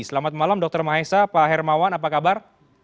selamat malam dr mahesa pak hermawan apa kabar